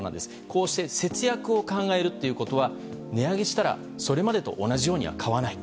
こうして節約を考えるということは値上げしたらそれまでと同じようには買わない。